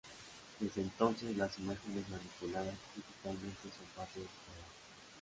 Desde entonces, las imágenes manipuladas digitalmente son parte de su trabajo.